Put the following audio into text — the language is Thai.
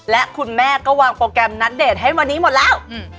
และคุณแม่ก็วางโปรแกรมนัดเดทให้วันนี้หมดแล้ว